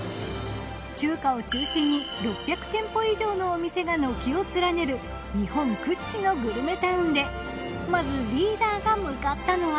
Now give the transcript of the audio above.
中華を中心に６００店舗以上のお店が軒を連ねる日本屈指のグルメタウンでまずリーダーが向かったのは？